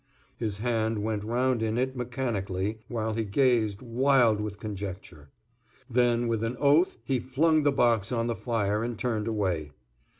His hand went round in it mechanically, while he gazed, wild with conjecture. Then, with an oath he flung the box on the fire and turned away.